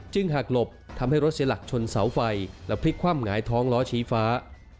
หากหลบทำให้รถเสียหลักชนเสาไฟและพลิกคว่ำหงายท้องล้อชี้ฟ้า